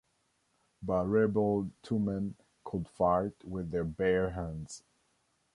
But rebel two men could fight with their bare hands.